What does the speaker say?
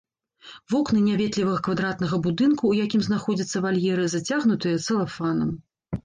Вокны няветлівага квадратнага будынку, у якім знаходзяцца вальеры, зацягнутыя цэлафанам.